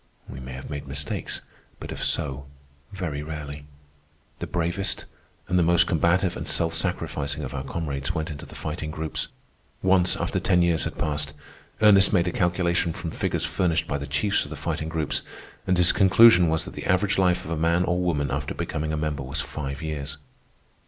We may have made mistakes, but if so, very rarely. The bravest, and the most combative and self sacrificing of our comrades went into the Fighting Groups. Once, after ten years had passed, Ernest made a calculation from figures furnished by the chiefs of the Fighting Groups, and his conclusion was that the average life of a man or woman after becoming a member was five years.